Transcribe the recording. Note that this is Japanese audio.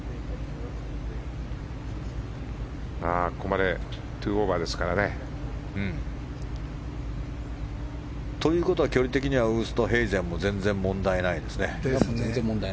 ここまで２オーバーですからね。ということは、距離的にはウーストヘイゼンも全然、問題ないですね。